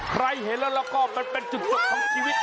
ใครเห็นแล้วก็มันเป็นจุดจบของชีวิต